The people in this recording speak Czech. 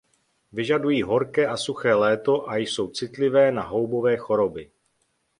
Vyžadují horké a suché léto a jsou citlivé na houbové choroby.